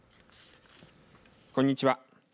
こんにちは。